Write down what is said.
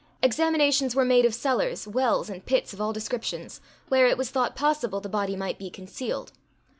Examinations were made of cellars, wells, and pits of all descriptions, where it was thought possible the body might be concealed.